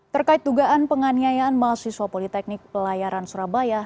terkait dugaan penganiayaan mahasiswa politeknik pelayaran surabaya